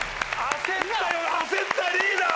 焦ったリーダー！